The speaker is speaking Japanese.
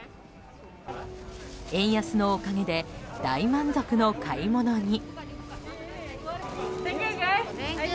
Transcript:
円安のおかげで大満足の買い物に。